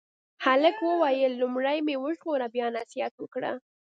هلک وویل لومړی مې وژغوره بیا نصیحت وکړه.